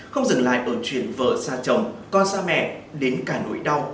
không dừng lại ở chuyện vợ xa chồng con xa mẹ đến cả nỗi đau